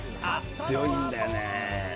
強いんだよね。